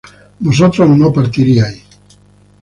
vosotros no partiríais